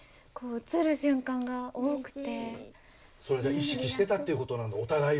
意識してたっていうことなんだお互いが。